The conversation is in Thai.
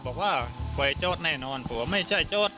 บอกว่าไฟช็อตแน่นอนปะว่าไม่ใช่ช็อต